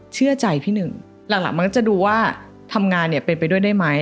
เชื่อใจพี่หนึ่งหลังมันก็จะดูว่าทำงานเนี่ยเป็นไปด้วยได้ไหม